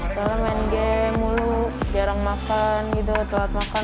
karena main game mulu jarang makan gitu telat makan